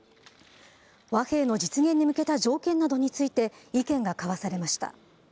和平の実現に向けた条件などについて意見が交わされました。